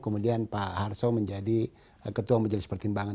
kemudian pak harso menjadi ketua majelis pertimbangan